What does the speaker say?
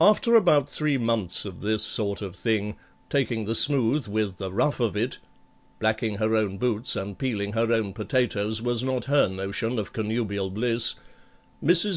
After about three months of this sort of thing, taking the smooth with the rough of it, (Blacking her own boots and peeling her own potatoes was not her notion of connubial bliss), MRS.